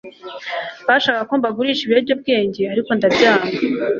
Bashakaga ko mbagurisha ibiyobyabwenge ariko ndabyanga